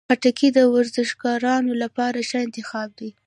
خټکی د ورزشکارانو لپاره ښه انتخاب دی.